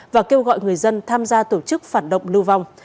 và kêu gọi người dân tham gia tổ chức phản động lưu vong